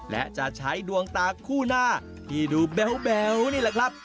และจะใช้ดวงตาคู่หน้าที่ดูแบ๊วนี่แหละครับ